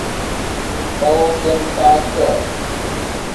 欧森巴克。